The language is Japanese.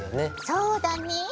そうだね。